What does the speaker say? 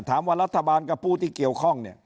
รัฐบาลกับผู้ที่เกี่ยวข้องเนี่ย